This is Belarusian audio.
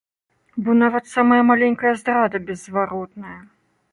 Бо нават самая маленькая здрада беззваротная.